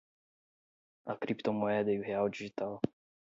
A criptomoeda e o real digital